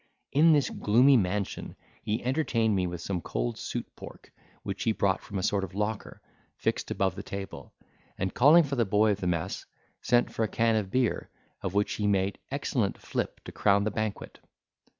In this gloomy mansion he entertained me with some cold suit pork, which he brought from a sort of locker, fixed above the table: and calling for the boy of the mess, sent for a can of beer, of which he made excellent flip to crown the banquet.